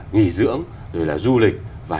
nghỉ dưỡng rồi là du lịch và